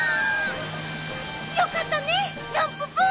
よかったねランププ！